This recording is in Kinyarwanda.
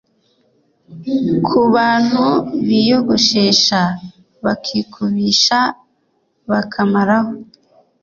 Ku bantu biyogoshesha bakikubisha bakamaraho ,